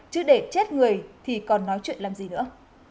chứ để chết người thì còn nói chuyện làm gì nữa